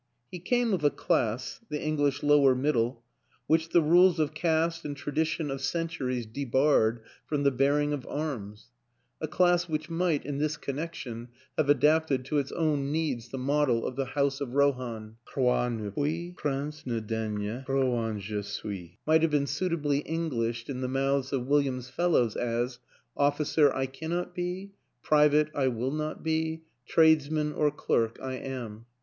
He came of a class the English lower middle which the rules of caste and tradition of cen 82 WILLIAM AN ENGLISHMAN turies debarred from the bearing of arms; a class which might, in this connection, have adapted to its own needs the motto of the House of Rohan. " Roi ne puis; prince ne daigne; Rohan je suis," might have been suitably Englished in the mouths of William's fellows as, "Officer I cannot be; private I will not be; tradesman or clerk I am."